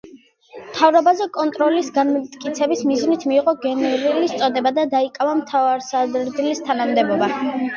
მთავრობაზე კონტროლის განმტკიცების მიზნით მიიღო გენერლის წოდება და დაიკავა მთავარსარდლის თანამდებობა.